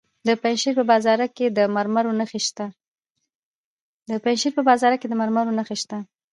د پنجشیر په بازارک کې د مرمرو نښې شته.